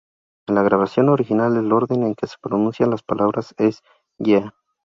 En la grabación original, el orden en que se pronuncian las palabras es "Yeah!